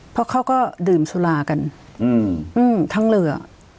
เพราะเขาก็ดื่มสุรากันทั้งเรือ